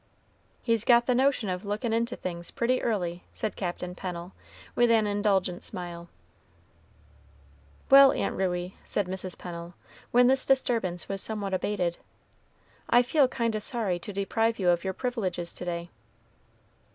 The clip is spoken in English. "He's got the notion of lookin' into things pretty early," said Captain Pennel, with an indulgent smile. "Well, Aunt Ruey," said Mrs. Pennel, when this disturbance was somewhat abated, "I feel kind o' sorry to deprive you of your privileges to day."